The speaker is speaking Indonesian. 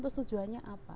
itu tujuannya apa